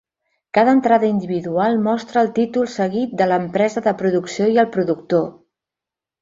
Cada entrada individual mostra el títol seguit de l'empresa de producció i el productor.